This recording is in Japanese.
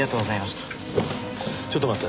ちょっと待って。